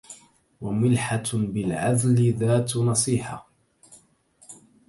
وملحة بالعذل ذات نصيحة